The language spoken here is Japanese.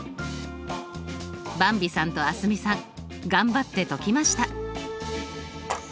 ばんびさんと蒼澄さん頑張って解きました。